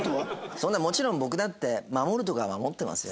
そんなもちろん僕だって守るとこは守ってますよ。